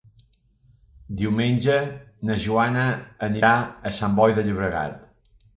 Diumenge na Joana anirà a Sant Boi de Llobregat.